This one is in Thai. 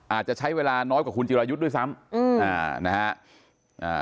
อาจจะใช้เวลาน้อยกว่าคุณจิรายุทธ์ด้วยซ้ำอืมอ่านะฮะ